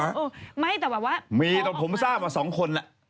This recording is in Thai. ไม่แต่ว่าท้องออกมาแล้วมีแต่ผมทราบว่า๒คนล่ะ